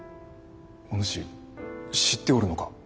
おぬし知っておるのか？